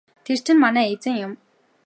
Тэр чинь манай эзэн юм.